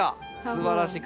すばらしい。